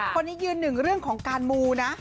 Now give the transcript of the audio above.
คนนี้ยืนหนึ่งเรื่องของการมูนะ